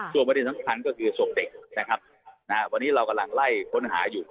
ส่วนประเด็นสำคัญก็คือศพเด็กนะครับวันนี้เรากำลังไล่ค้นหาอยู่